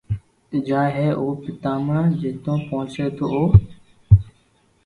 جائي ھي او پتماتما جنو پوچي تو او